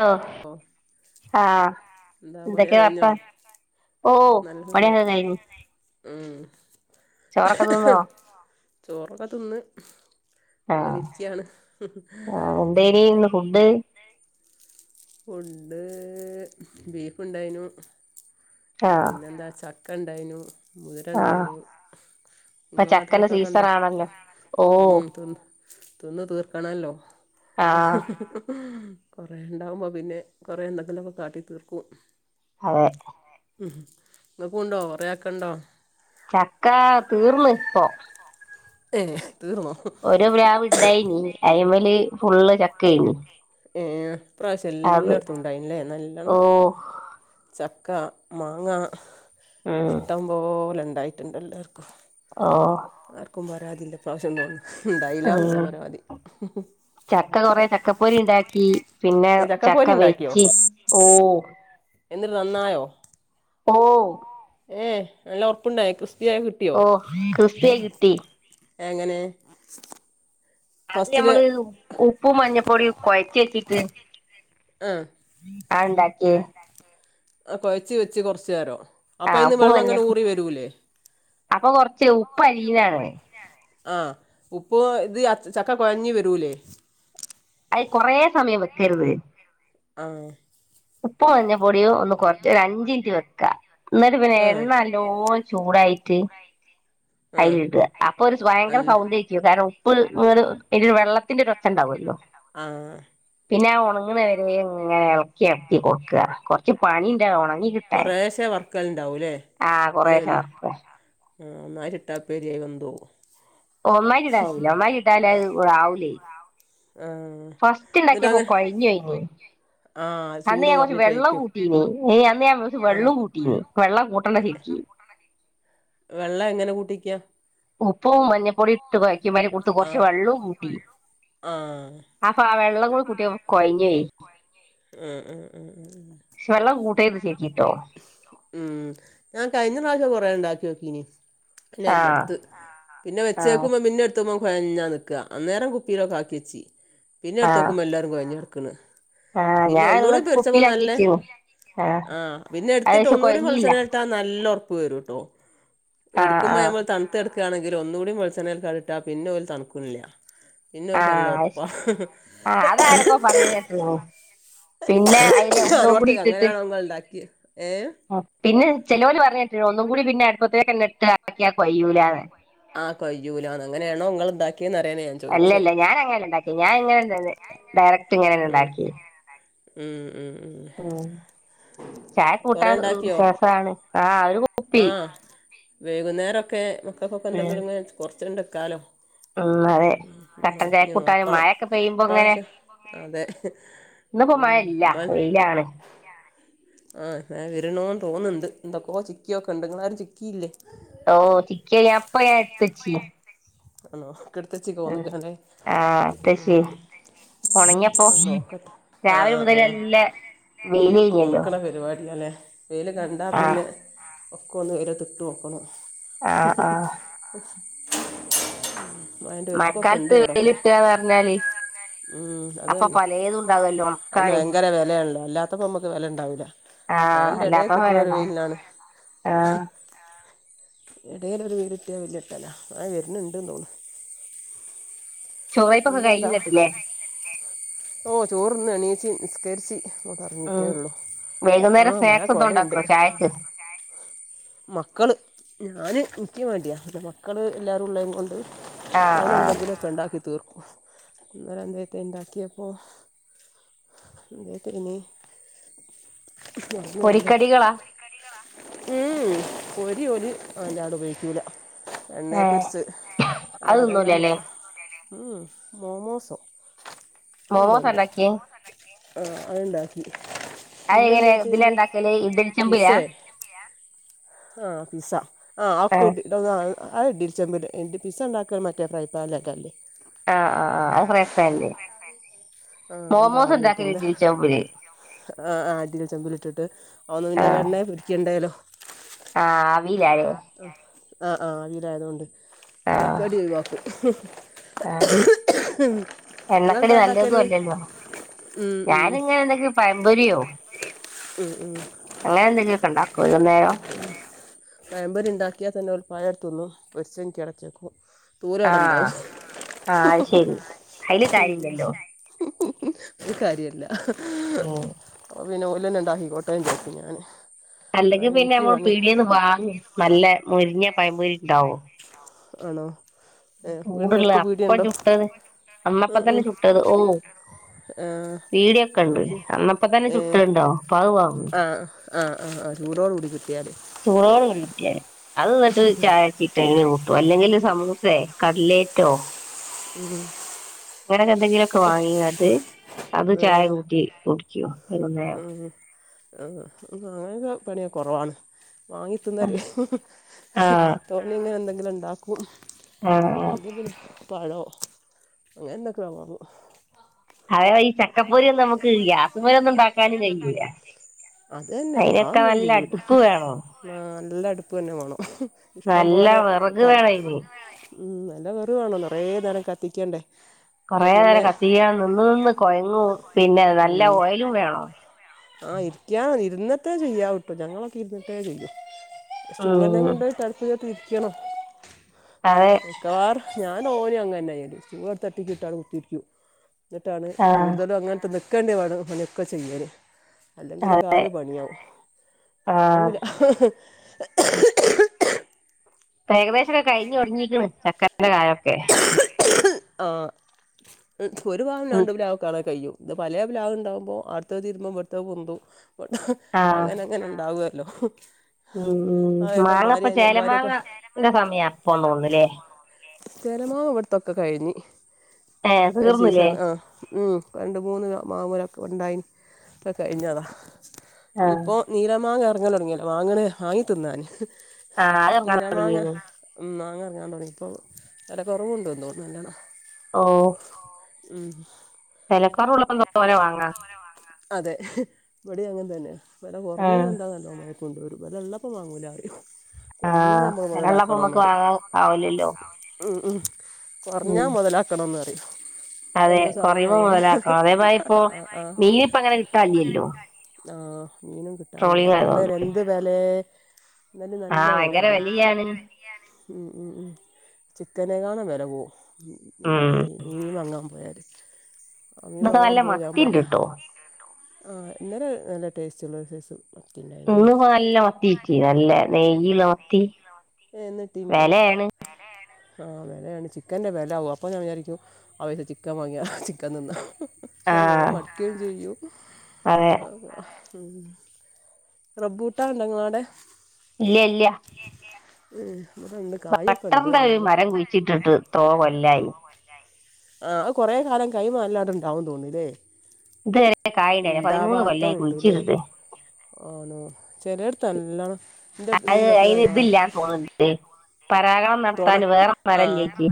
hello ആഹ് എന്താ പണിയൊക്കെ എന്തൊക്കെയ കഴിഞ്ഞോ വർത്താനം നല്ലണ്ട് ഉം പണിയൊക്കെ കഴിഞ്ഞോ ഹ്മ് ചോറൊക്കെ തിന്നോ ഹ്ഹ് ചോറൊക്കെ തിന്ന് ഇങ്ങനെ ആഹ് ഇരിക്കയാണ് ആ എന്തേനി ഇന്ന് ഫുഡ്‌ ഫുഡ് ബീഫുണ്ടായിരുന്നു ആഹ് പിന്നെന്താ ച ഒക്കെ ഇണ്ടായിനു മുതിര ആഹ് ഉണ്ടായിനു ഇപ്പൊ നിങ്ങളെ ചക്കന്റെ നാട്ടിലൊക്കെ ഒക്കെണ്ടോ സീസണാണല്ലോ ഓ ഉം തിന്ന് തീർക്കണല്ലോ ആഹ് കുറെേ ഉണ്ടാവുമ്പോൾ പിന്നെ കുറെേ എന്തെങ്കിലുമൊക്ക കാട്ടി തീർക്കും ആതെ ഉം നിങ്ങൾക്കുണ്ടോ കൊറെയാക്കണ്ടോ ചക്ക തീർന്ന് ഇപ്പൊ ഏഹ് ഒരു പ്ലാവ് ഇണ്ടായിനി അയിമല് ഫുള്ള് ചക്ക ആയിനി ഏഹ് ഇപ്രാവശ്യം എല്ലായിടത്തും ഉണ്ടായില്ലേ ഓ നല്ലോണം ചക്ക മാങ്ങ ഉം ഇഷ്ടം പോലെ ഉണ്ടായിട്ടുണ്ടല്ലോ ഓ ആർക്കും പരാതില്ല ഈപ്രാവശ്യം തോന്നുന്നു ഉണ്ടായില്ല ഹ്ഹ എന്നുള്ള പരാതി ചക്ക കുറേ ചക്കപ്പൊരി ഉണ്ടാക്ക പിന്നെ ഏ, ചക്ക ചക്കപ്പോരി ഉണ്ടാക്കിയോ വെച്ച് ഹ്ഹ എന്നിട്ട് നന്നായോ ഓ ഏഹ്ഹ് നല്ല ഉറപ്പുണ്ടായോ ക്രിസ് ഓ ക്രിസ്പ്പിയായി കിട്ടി എങ്ങനെ അത് ഫസ്റ്റിൽ ഞമ്മള് ഉപ്പും മഞ്ഞപ്പൊടിയ കുഴച്ച വെച്ചിട്ട് ആഹ ആ ഉണ്ടാക്കി അപ്പൊ വച്ച വെച്ച് കുറച്ചു നേരം ആ അപ്പൊ അതിൽ നിന്ന് ഉപ്പ് വെള്ളം അങ്ങനെ മഞ്ഞപ്പ ഊറി വരൂല്ലേ ഏഹ് ഉപ്പ അലിയുന്നതാണ് ആഹ ഉപ്പ് ഇത് ചക്ക കുഴഞ്ഞു വരൂല്ലേ അത് കൊറേ സമയം വെക്കരുത് ആഹ ഉപ്പ് മഞ്ഞപൊടിയും ഒന്ന് കുഴച്ച് ഒരു അഞ്ചിനിറ്റ് വെക്ക എന്നിട്ട് പിന്നെ ആഹ് എണ്ണ നല്ലോ ചൂടായിട്ട് ആഹ് [unintelligible] അപ്പൊ ഒര് ഭയങ്കര നല്ല സൗണ്ട്കേക്കും [unintelligible] [unintelligible] വെള്ളത്തിന്റെ ഒര് ഒച്ച ഒണ്ടാവല്ലോ ആ പിന്നെ ഉണങ്ങണവരെയും ഇങ്ങനെ എളക്കി എളക്കി കൊടുക്ക കൊറച്ച് പണി ഒണങ്ങി കിട്ടാൻ കൊറേശ്ശെ വറക്കലുണ്ടാവൂല്ലേ ആ കൊറേശെ വറക്ക നരിട്ടാപ്പേരിയായി വെന്തോ ഒന്നായിട്ടിടാൻ കഴിയില്ല ഒന്നായിട്ടാ അത് ആവൂലെ ആഹ് ഫസ്റ്റ് ഇണ്ടാക്കിയപ്പോ കൊഴിഞ്ഞ് പോയീനി ആ അന്ന് ഞാൻ കൊറച്ച് വെള്ളം കൂട്ടീനി അന്ന് ഞാൻ കൊറച്ച് വെള്ളം കൂട്ടീനി വെള്ളം കൂട്ടേണ്ട ശെരിക്ക് [inaudible] വെള്ളം എങ്ങനെ കൂട്ടിക്യ ഉപ്പും മഞ്ഞപ്പൊടിട്ട് കൊഴ ക്കമ്പം കൊടുത്ത് കൊറച്ച് ആഹ് വെള്ളോം കൂട്ടി ആഹ് അപ്പൊ ആ വെള്ളം ഉപൂടിം കൂട്ടിയപ്പോ കൊഴഞ്ഞു പോയി മ് മ് മ് വെള്ളം കൂട്ടേത്ത് ശെരി ഉം ഞാൻ കഴിഞ്ഞ പ്രാവശ്യം കൊറേ ഉണ്ടാക്കിയോ [unintelligible] പിന്നെയത് ആഹ് മടുത്ത് പിന്നെ ആഹ് വെച്ചേക്കുമ്പോ പിന്നെ എടുത്ത് മൊ കൊഴഞ്ഞാനിക്കുക അന്നേരം കുപ്പിയിലൊക്കെ ആക്കിവച്ചി പിന്നെ എടുത്ത് ആഹ് നോക്കുമ്പോ എല്ലാരും കൊഴഞ്ഞ് കെടുക്കണ് ആഹ് പിന്നെ ഞാനുള്ള ഒന്നൂടി തെലിച്ചപ്പ കുപ്പിയിലാക്കി നല്ലെ വെച്ചിരുന്നു ആഹ് ആ പിന്നെ അത് എടുത്തിട്ട് പക്ഷെ ഒന്നൂടി കൊഴഞ്ഞില്ല വെളിച്ചെണ്ണയിട്ടാ നല്ല ഉറപ്പ് വരൂട്ടോ ആഹ് എടുക്കുമ്മ ആഹ് നമ്മ തണുത്തെ എടുക്കയാണെങ്കിലും ഒന്നൂടി വെളിച്ചെണ്ണക്കിട്ടാ പിന്നെ ഓല് തണുക്കുല്ല പിന്നെ ഓൽക്ക് നല്ല ആഹ് അത് ഉറപ്പാ ശരി ആഹ് അതാരൊക്കോ പറയുന്ന കേട്ടിരുന്നു പിന്നെ അതില് ഒന്നും അനോർത്ത കൂടി ഇട്ടിട്ട് അങ്ങനെയാണോ ഞങ്ങള് ഇണ്ടാക്കിയെന്ന് ഏ പിന്നെ ചെലോല് പറഞ്ഞിട്ട് ഒന്നും കൂടി പിന്നെ അടുപ്പത്തേക്ക് തന്നെ ഇട്ടാല്‍ ആക്കിയാ കൊയ്യൂലാന്ന് ആഹ് കൊയ്യൂലാന്ന് അങ്ങനെയാണോ നിങ്ങളുണ്ടാക്കി അല്ല അല്ല ഞാൻ അങ്ങനെയല്ലണ്ടാക്കിയെ ഞാൻ ഇങ്ങനെ ഡയറക്ട് ഇങ്ങനെ ഇണ്ടാക്കി ഉം ഉം ഉം ചായ കൂട്ടാൻ സോസാണ് ആ അവര് ആ വൈകുന്നേരൊക്കെ മക്കക്കൊക്കെ ഉം, എന്തെങ്കിലും ഇങ്ങനെ കൊറച്ചിണ്ടാക്കാലോ ഉം, അതെ ഉം കട്ടൻ ചായ ഇനി കൂട്ടാനും നോക്കണം മഴയൊക്കെ പെയ്യുമ്പോ ഇപ്രാവശ്യം അതെ ഇന്നിപ്പം ഉം മയയില്ല വെയിലാണ് ആ മഴ വരണോ തോന്നുണ്ട് എന്തൊക്കെ ചിക്കിയൊക്കൊണ്ട് ഇങ്ങളാരും ചിക്കിയില്ലേ ഓ ചിക്കിയെ ഞാനിപ്പം എടുത്തിച്ചി ആണോ എടുത്തച്ചി പോന്നകാലെ ആ എടുത്തുവച്ചി ഉണങ്ങിയപ്പോ [unintelligible] ആ രാവിലെ ആ മുതൽ നല്ല വെയിൽ കഴിഞ്ഞല്ലോ ഉണക്കണ പരിപാടിയാല്ലെ വെയില് കണ്ടാ ആ പിന്നെ ആ ഒക്കൊന്ന് വെയിലത്തിട്ടോക്കണം ആ ആ [inaudible] ഒരുക്കൊക്കെ ഉണ്ട് മയക്കാലത്ത് ഇവിടൊക്കെ വെയിലിട്ടാന്ന് പറഞ്ഞാല് ഉം അത് അപ്പൊ തന്നെ പലേതുണ്ടാവുല്ലോ ഒക്കാനെ അപ്പം നമ്മുക്ക് വെലണ്ടാവൂല്ല മഴന്റെ ഇടയിൽ അല്ലാത്ത കിട്ടന്ന ഒരു പോലെന്താണ് വെയിലിനാണ് ആ എടയിലൊരു വെയിലുകിട്ടിയാ വലിയ കിട്ടല്ലാ മഴ വരുന്നുണ്ടെന്ന് തോന്ന് ചോറ് വേപ്പൊക്കെ കഴിഞ്ഞിട്ടില്ലേ ഓ ചോറ്ന്ന് എണിച്ചി നിസ്കരിച്ചി ഉം [unintelligible] ആ വൈകുന്നേരം മഴ സ്നാക്സ് എന്തോ കൊടയൊണ്ട് ഉണ്ടാക്കോ ചായക്ക് മക്കള് ഞാന് എനിക്ക് വേണ്ടിയാ മക്കള് എല്ലാവരുമുള്ളേകൊണ്ട് ആഹ് ഓന് ആഹ് എന്തെങ്കിലുക്കെ ഉണ്ടാക്കി തീർക്കും ഇന്നലെ എന്തത്തെ ഇണ്ടാക്കിയപ്പോ എന്തൂട്ടേനി പൊരിക്കടികളാ ഉം പൊരി ഒല് അലാണ്ട്‌ ഉപയോഗിക്കൂല എണ്ണയെ ഏഹ് പൊരിച്ച് അത് അല്ലാതെ എല്ലാ തിന്നൂലല്ലേ മാങ്ങ മോമോസോ എന്തുണ്ട് മോമോസണ്ടാക്കിയെ ആ അത്ണ്ടാക്കി അത് എങ്ങനെ പിന്നെന്താച്ച ഇതിലാ ഉണ്ടാക്കല് പിസ ഇഡലിച്ചെമ്പിലാ ആഹ പിസ ആഹക്കെ ആഹ് [unintelligible] പിസ്സ ഉണ്ടാക്കാ മറ്റേ ഫ്രൈ പാനിലോക്കെല്ലേ ആഹ് ആഹ് ആ അത് ഫ്രൈ പാനില് ആ എന്തോ മോമോസ് ആവി വയ്ക്കുന്നത് ഉണ്ടാക്കലുണ്ട് ചമ്പല് ആ ആ അടിൽ ചെമ്പിലിട്ടിട്ട് ഓന്ന് പിന്നെ ആഹ് എണ്ണയില്‍ പൊരിക്കേണ്ടാല്ലോ ആഹ് ആവിലാലെ ആഹ് ആഹ് ആവിയിലായതുകൊണ്ട് എന്നാക്കടി ഒഴിവാക്കും ആഹ എണ്ണക്കടി നിങ്ങളെന്താ നല്ലതല്ലല്ലോ ഉണ്ടാക്കൽ ഞാനിങ്ങനെ എന്തൊക്കെ പഴംപൊരിയോ ഉം ഉം അങ്ങനെ എന്തെങ്കിലുമൊക്കെ ഉണ്ടാക്കും വൈകുന്നേരം പഴംപൊരിണ്ടാക്കിയാൽ തന്നെ ഓല് പഴംതിന്നും പൊരിച്ചത് ഇൻക്ക് വെച്ചേക്കും തൊലട ആഹ് ണ്ടാവും ആഹ് അത് ശരി അയില് കാര്യല്ലല്ലോ ഒരു കാര്യല്ല ഉം പിന്നെഓ ലന്ന ഉണ്ടാക്കിക്കോട്ടൊഇരിക്കും ഞാാന് അല്ലെങ്കിൽ പിന്നെ നമ്മൾ പീടിന്ന് വാങ്ങും നല്ല മുരിഞ്ഞ പയമ്പൂരിുണ്ടാവോ ആണോ ഏ, വീടിൻ്റെ ചൂടുള്ള അടുത്ത് അപ്പ പീടിയുണ്ടോ ചുട്ടത് അമ്മപ്പ തന്നെ ചുട്ടത് ഓ ഏ, പീടിയൊക്കെ ഇണ്ട് അന്നപ്പ തന്നെ ഏ, ചുട്ടണ്ടഅപ്പ അത് വാങ്ങും ആ ആ ആ ചൂടോട് കൂടി കിട്ടി യാൽ ചൂടോട് കിട്ടിയാലേ അത്ന്നിട്ട് ചായ ചിട്ട അല്ലെങ്കിൽ സമൂസയ കടലേറ്റോ ഉം [inaudible] ഇങ്ങനൊക്കെ എന്തെങ്കിലുമൊക്കെ വാങ്ങിാട്ട് അത് ഏ, ചായ കൂട്ടി കുടികിം വൈകുന്നേരം ആ അങ്ങനൊക്കെ പണിയ കുറവാണ് വാങ്ങിതിന്നൽ ആഹ് തോണിങ്ങനെ എന്തെങ്കിലും ഉണ്ടാക്കും ആഹ് അല്ലെങ്കിൽ പഴോ അങ്ങനെ എന്തൊകേം വാങ്ങും അതെ ഈ ചക്കപ്പൊരി ഒ ന്നും നമുക്ക് ഗ്യാസ് മുല ഒന്നും ഉണ്ടാക്കാനും കഴിയുല അത തന്നെ ആന്നും ഞാൻ നല്ല ചെയല്ല അടുപ്പ് വേണം നല്ല അടുപ്പ് തന്നെ വേണം ഇഷ്ടം നല്ല പോോലെ വിറക് തല വേണം അയിന് ഉം നല്ല വെറുവാണോ നിറയ നേരം കത്തിക്കേണ്ടേ കുറെേ നേരം കത്തിക്കൻ നിന്ന നിന്ന് കൊഴങ്ങും പിന്നെ നല്ല ഓയിലും വേണം ആഹ് ഇരിക്കാ ഇരുന്നിട്ടേ ചെയ്യാം ട്ടോ ഞങ്ങളൊക്കെ ഇരുന്നിട്ടേ ചെയ്യൂ സ്റ്റൂൾന്നെ ഉം കൊണ്ട്യിട്ടടുത്ത ടഅടുപ്പിന്റട്ത് ഇരിക്കണം അതെ മിക്കവാറും ഞാൻ ഓര് അങ്ങനായിും അ ട്ടിക്ക് ഇട്ടാെ കുത്തിരിക്കു എന്നിട്ടാണ് ആഹ് കൂടുതലും അങ്ങനത്തെ് നിൽക്കേണ്ടി വരുന്ന പണിയൊക്കെ ചെയ്യൽ അല്ലെങ്കില് കാല പണിയവും ആഹ് ആവൂല [unintelligible] ഏകദേശൊക്കെ കഴിഞ്ഞഞ്ൊടുങ്ങിന്ന് ചക്കരന്റെ കായൊക്കെ ആ ഒരു പ്ലാവും ഉം രണ്ടുപിലാവ കണെ കഴിയും ഇത് പലയ പ്ലാവ് ഉണ്ടാവുമ്പോൾ അടുത്ത തിരുമ്പോം ഇവിടുത്ത പൊന്തു ആഹ് അങ്ങനെ അങ്ങനെ ഉണ്ടാവുക ലോ ഉം മാങ്ങപ്പ ചേല മാങ്ങന്റെ സമയം അപ്പൊ തോന്നില്ലേ തരമോ ഇവിടത്തൊക്കെ കഴിഞ്ഞ് ഏഹ് ഒരു തീർന്നില്ലേ സീസൺ ആ ഉ രണ്ട് മൂന്ന് മാവൂമ ഉണ്ടായി ഓക്കേ കഴിഞ്ഞതാണ് ഇനി ആഹ് ഇപ്പോൾ നീലമാങ്ങ ഇറങ്ങൽ ഒടുങ്ങിയല്ലോ വാങ്ങണേ വാങ്ങി തിന്നാൻ ആഹ് അ എറങ്ങാൻ തുടങ്ങിണ് ഉം മാങ്ങ എറങ്ങാൻ തുടങ്ങി പ്പൊ വില കുറവുണ്ട് തോന്ന്ണ് നല്ലോണം ഓ ഉം തലക്കുറള്ളന്ത പോോതോനെ വാങ്ങ അതെ ഇവിടെയും അങ്ങനെ തന്നെ വില കുറങ്ങിന്ന്ണ്ടാ നല്ലോണ്ണം കൊണ്ടോരും വല്ല ള്ളപ്പം വാങ്ങൂല ആരും ആഹ വെലള്ളപ്പൊ നമ്മക്ക് വാങ്ങാ ആവൂലല്ലോ കുറഞ്ഞാ ഉം മുതലാക്കണംന്ന് ന്നറിയും അതെ കുറയുമ്പോ മുതലാക്കണം അതേമാതി ഇപ്പോ മീനിപ്പ അങ്ങനെ കിട്ടല്ലല്ലോ ആ് മീനും കിട്ടാനില്ല ള്ള എന്ത് വെലെ ആഹ ഭയങ്കര വലിയാണ് മ് ചിക്കനെകാണൻ വിലപോവും ഉം മീ മീൻ വാങ്ങാൻ പോയാൽ [inaudible] എന്നൊക്കെ നല്ല മത്തി ഇണ്ട് ട്ടോ ആ്ന്നരെ നല്ല ടേസ്റ്റ് ഉള്ള ഒരു സ മന്ന് നല്ല മത്തീക്ക് നല്ല നെയ്യുള്ള മത്തി ഏ നട്ടീനോ വിലയാണ് ആ വിലയാണ് ചിക്കൻ്റെ വില ആകും അപ്പോൾ ഞാൻ വിചാരിക്കും ആപൈസക്ക് ചിക്കൻ വാങ്ങിയാ ചിക്കൻ തിന്ന ആ ചമയം മടക്കുകയും ചെയ്യും അതെ റബ്ബൂട്ടാ ഉണ്ടെങ്ക അവിടെ ഇല്ല ഇല്ല ഉം ബട്ടർന്റെ ഒരു മരം കുഴിച്ചിട്ടിട്ട് ത്രോ കൊല്ലായി ആ അ കൊറെ കാലം കൈമാറല്ലാറണ്ടാവന്ന് തോന്നില്ലേ ഇതുവരെ കായുണ്ടായില്ല പതിമൂന്ന് ഉണ്ടാവാത്ത കൊല്ലായി ഉണ്ട്ല്ലേ കുഴിച്ചിട്ടിട്ട് ആണോ ചെലോടത്ത് നല്ലോണം എൻ്റെ അടുത്ത് അ വീടിൻ്റെ അയിന് അടുത്ത് ആ ഇതില്ല തോന്നണ്ട് പരാഗണംം തുണ നടത്താൻ വേറെ ആ മരലേക്ക്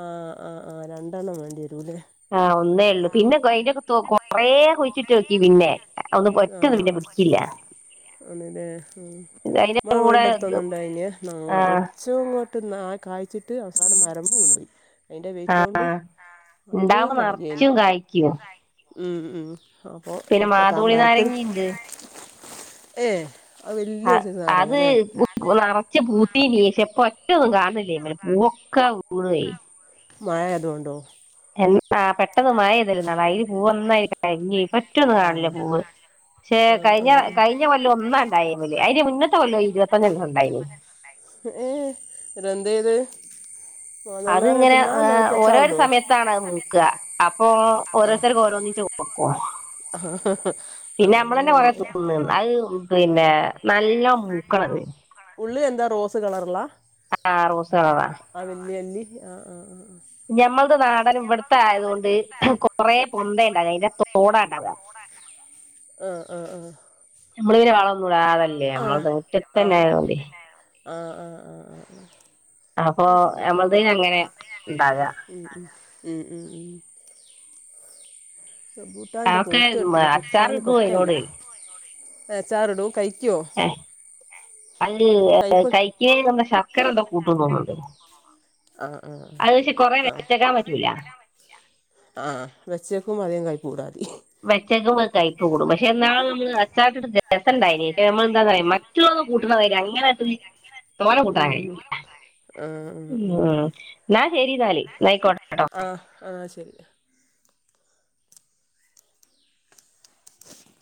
ആ ആ ആ രണ്ടെണ്ണം വേണ്ടി വരൂല്ലേ ആഹ് ഒന്നേ ഉള്ളൂ പിന്നെ അയിന്റെൊക്കെ കൊറേ കുയിച്ചിട്ടോക്കി പിന്നെ ഇപ്പൊ ഒറ്റൊന്നിനേം പിന്നെ പിടിക്കില്ല ആൺലെ ഉ ഇത് അ അതിന്റെ ഇങ്ങളെ കൂടെ വീടിന്റെ ഇത്, അടുത്തൊന്നും ഇണ്ടായിലെ ആ നെറച്ചും ഇങ്ങോട്ട ഒന്നാകെ കായിച്ചിട്ട് അവസാനം മരം ബീണോയി ആഹ ഉണ്ടാവുമ്പോ കായേന് നിറച്ചും കായ്ക്കും ഉം ഉം അപ്പൊ പിന്നെ ഇപ്പൊ മാതോളി മരത്തിൽ നാരങ്ങയുണ്ട് ഏ അത് ആ വലിയൊരു സൈസ് നാരങ്ങ അത് അല്ലേ പച്ച പൂത്തീന്റേഷം ഇപ്പൊ ഒറ്റ ഒന്നും കാണില്യഅയിൽ പൂവൊക്കെ വീണോയി മഴ അതൊണ്ടോ എന്നാ പെട്ടെന്ന് മഴേത നാള അയിൽ പൂവൊന്നായി കോയിഞ് പോയി ഇപ്പോറ്റൊന്നും കാണിണില്ലാ പൂവ് ശേ പക്ഷേ കഴിഞ്ഞ കഴിഞ്ഞ കൊല്ലം ഒന്നാംണ്ടായി്മല്ലേ അയിന്റെ മുന്നത്തെ കൊല്ലം ഇരുപത്തഞ്െണ്ണം ഉണ്ടായിന് ഏ രദേ അത് ഇങ്ങനെ ഏ തിന്നാല്ലോ പറ്റി ഓരോരു അച്ചാറിടോ സമയത്താണ് അത് മൂക്ക അപ്പ ഓരോത്തർക്ക് ഓരോന്നിച്ച് കൊട്ക്കോ ആ പിന്നെ അങ്ങനെ നമ്മളന്നെ കൊറ ഉണ്ടാവുക തിന്ന അത് പിന്നെ നല്ല മൂ [unintelligible] ഉള്ളി എന്താ റോസ് കളർള്ള ആറൂസറവാ അല്ലി ആ ആ ആ ഞമ്മളുടെ നാടൻ ഇവിടുത്തെ ആയതുക കൊണ്ട് കൊറെ പൊന്ത ഉണ്ടാവും അതിന്റെ തോട ഉണ്ടാവും ആഹ ആഹ ആഹ നമ്മളിങ്ങനെ വളൊന്നുടാതല്ലേ നമ്മളത് മുറ്റത്ത് തന്നെ ആ മതി ആഹ് ആഹ് ആഹ് ആഹ് ആഹ അപ്പൊ നമ്മളത്തിന് അങ്ങനെ ഉണ്ടാക ഉം ഉം ഉം റംബൂട്ടൻണ്ട് അതൊക്കെ പൂത്തെടുക്കുണ് അച്ചാർ കുത്താൻ ഇടുവോ കൊക്കല്യ അതിനോട് അച്ചാറിടും കൈ ഏ അത് കയ്പ്പ് കഴിക്കുന്നതി എന്ത ശർക്കര എന്താ കൂട്ട തോന്നുന്നത് ആ ആ ആ ആ ആ പറ്റൂല ആ വെച്ചേ [unintelligible] വച്ചക കയ്പപ്പ കൂടും പക്ഷെ ന്നാൾ നമ്മള് അച്ചാറിട്ട് രസ ഉണ്ടായി പക്ഷെ നമ്മൾ എന്താ പറയാ മറ്റുള്ള കൂട്ടണ വര് അങ്ങനെ തോനെ കൂട്ടാൻ ഉം ഉം കയ്യൂല ആഹ് ഉ ആഹ് ആഹ് നാ ശരി എന്നാല് ന്നാ അയിക്കോട്ടെ ആഹ് ആഹ ശരിയ